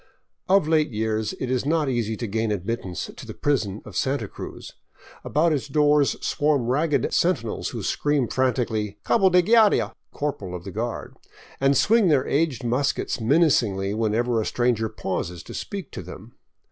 Of late years it is not easy to gain admittance to the prison of Santa Cruz. About its doors swarm ragged sentinels who scream frantically " Cabo de Guardia !" ("Corporal of the Guard"), and swing their aged muskets menacingly whenever a stranger pauses to speak to them.